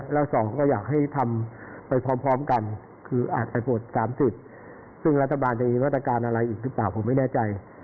แล้วสองก็อยากให้ทำไปพร้อมกันคืออาจจะหมด๓จุดซึ่งรัฐบาลจะมีมาตรการอะไรอีกหรือเปล่าผมไม่แน่ใจ